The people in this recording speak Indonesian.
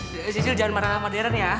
sisil jangan marah sama darren ya